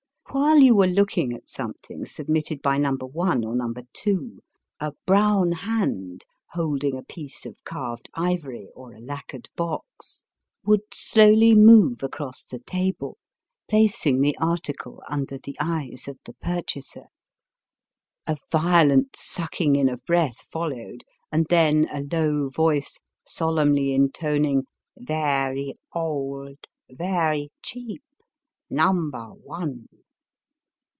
While you were looking at something submitted by No. 1 Digitized by VjOOQIC THE TOMBS OF THE SHOGUNS. 269 or No. 2, a brown hand, holding a piece of carved ivory or a lacquered box, would slowly move across the table, placing the article under the eyes of the purchaser. A violent sucking in of breath followed, and then a low voice solemnly intoning —" Ver ry old ; ver ry cheap ; num ber one."